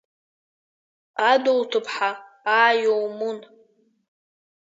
Адоуҭыԥҳа аа, иумун!